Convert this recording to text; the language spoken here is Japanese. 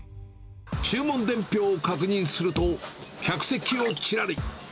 注文伝票を確認すると、客席をちらり。